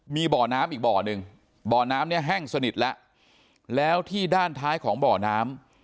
มีบ่อน้ำอีกบ่อหนึ่งบ่อน้ำเนี่ยแห้งสนิทแล้วแล้วที่ด้านท้ายของบ่อน้ำ